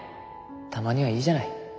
たまにはいいじゃない。